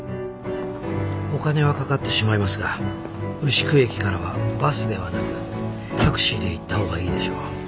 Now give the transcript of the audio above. お金はかかってしまいますが牛久駅からはバスではなくタクシーで行った方がいいでしょう。